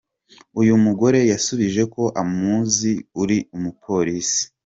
Uyu mugore yasubije ko amuzi ‘uri umupolisi.